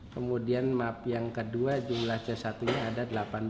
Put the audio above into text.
kemudian map yang kedua jumlah c satu nya ada delapan puluh